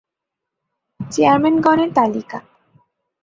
চেয়ারম্যানগণের তালিকা